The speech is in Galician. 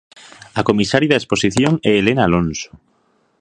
A comisaria da exposición é Helena Alonso.